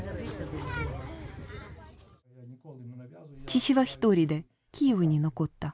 父は一人でキーウに残った。